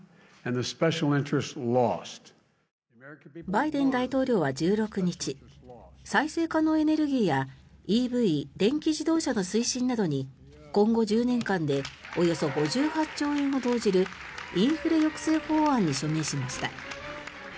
バイデン大統領は１６日再生可能エネルギーやＥＶ・電気自動車の推進などに今後１０年間でおよそ５８兆円を投じるインフレ抑制法案に署名しました。